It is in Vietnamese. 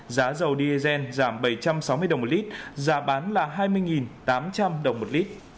giá dầu diesel giảm bảy trăm sáu mươi đồng một lít giá bán là hai mươi tám trăm linh đồng một lít